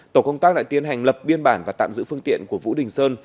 tổ công tác đã tiến hành lập biên bản và tạm giữ phương tiện của vũ đình sơn